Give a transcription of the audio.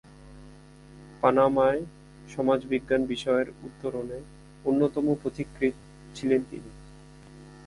পানামায় সমাজবিজ্ঞান বিষয়ের উত্তরণে অন্যতম পথিকৃৎ ছিলেন তিনি।